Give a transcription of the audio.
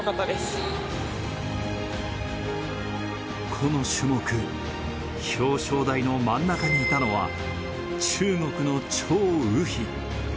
この種目、表彰台の真ん中にいたのは、中国の張雨霏。